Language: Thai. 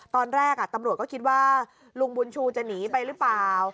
ตอนแรกตำรวจก็คิดว่าลุงบุญชูจะหนีไปหรือเปล่า